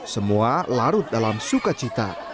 semua larut dalam sukacita